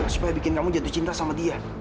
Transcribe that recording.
supaya bikin kamu jatuh cinta sama dia